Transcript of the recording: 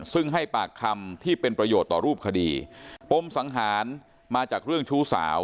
ซึ่งให้ปากคำที่เป็นประโยชน์ต่อรูปคดีปมสังหารมาจากเรื่องชู้สาว